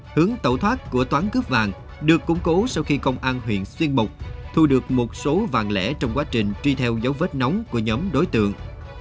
hướng tẩu thoát của toán cướp vàng được củng cố sau khi công an huyện xuyên mục thu được một số vàng lẻ trong quá trình truy theo dấu vết nóng của nhóm đối tượng